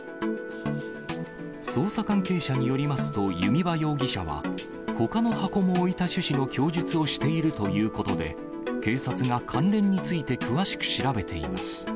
捜査関係者によりますと、弓場容疑者は、ほかの箱も置いた趣旨の供述をしているということで、警察が関連について詳しく調べています。